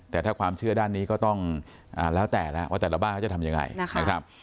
แต่ถ้าความเชื่อด้านนี้ก็ต้องแล้วแต่ละว่าแต่ละบ้านเขาจะทำยังไงนะครับ